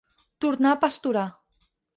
Tornar a pasturar.